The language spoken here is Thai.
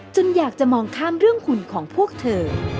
อยากจะมองข้ามเรื่องคุณของพวกเธอ